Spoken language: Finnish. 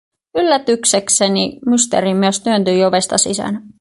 Yllätyksekseni Mysteerimies työntyi ovesta sisään.